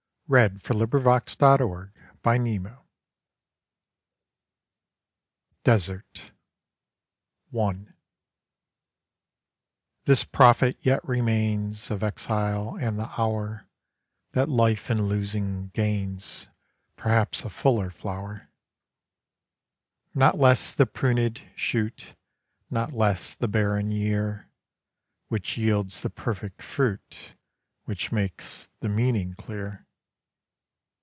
IN EXILE I DESERT I This profit yet remains Of exile and the hour That life in losing gains Perhaps a fuller flower. Not less the prunèd shoot, Not less the barren year, Which yields the perfect fruit, Which makes the meaning clear.